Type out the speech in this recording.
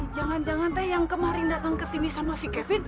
jangan jangan yang kemarin datang ke sini sama si kevin